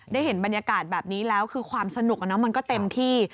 ได้เห็นบรรยากาศแบบนี้แล้วคือความสนุกมันก็เต็มที่